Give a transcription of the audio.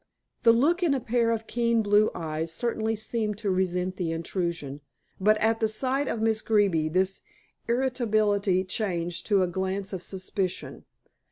The look in a pair of keen blue eyes certainly seemed to resent the intrusion, but at the sight of Miss Greeby this irritability changed to a glance of suspicion.